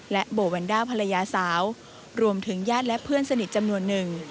โบวันด้าภรรยาสาวรวมถึงญาติและเพื่อนสนิทจำนวนหนึ่ง